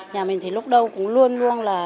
nhà mình thì lúc đầu cũng luôn luôn là